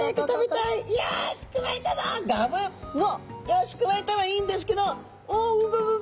よしくわえたはいいんですけどおおぶぶぶ！